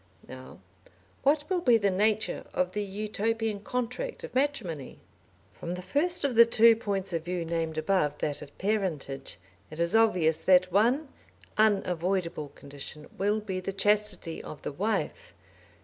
Now what will be the nature of the Utopian contract of matrimony? From the first of the two points of view named above, that of parentage, it is obvious that one unavoidable condition will be the chastity of the wife.